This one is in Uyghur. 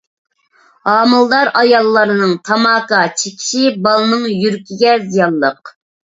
ھامىلىدار ئاياللارنىڭ تاماكا چېكىشى بالىنىڭ يۈرىكىگە زىيانلىق.